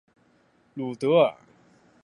鲁德尔也曾于国防工业担任过军事顾问。